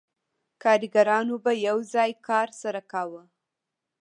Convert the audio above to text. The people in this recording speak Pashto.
کارګرانو به یو ځای کار سره کاوه